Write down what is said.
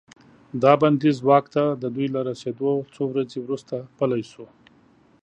دا بندیز واک ته د دوی له رسیدو څو ورځې وروسته پلی شو.